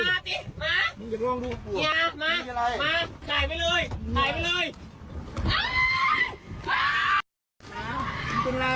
สุดยอดดีเป็นอะไร